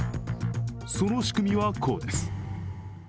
その仕組みはこうです。